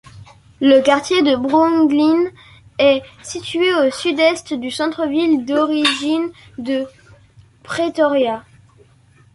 Le quartier de Brooklyn est situé au sud-est du centre ville d'origine de Pretoria.